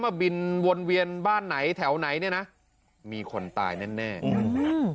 มาบินวนเวียนบ้านไหนแถวไหนเนี้ยนะมีคนตายแน่แน่อืม